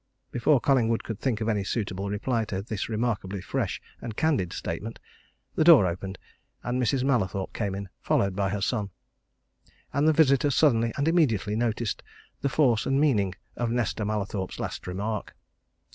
Before Collingwood could think of any suitable reply to this remarkably fresh and candid statement, the door opened, and Mrs. Mallathorpe came in, followed by her son. And the visitor suddenly and immediately noticed the force and meaning of Nesta Mallathorpe's last remark.